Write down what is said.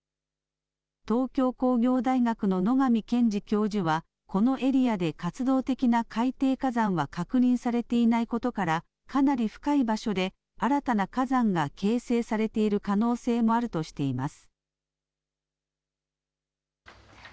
東京工業大学の野上健治教授はこのエリアで活動的な海底火山は確認されていないことからかなり深い場所で新たな火山が形成されている可能性もあるとしています。